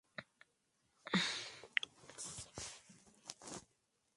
Pedreros es considerado uno de los precursores de "La Nueva Ola".